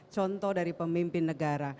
contoh dari pemimpin negara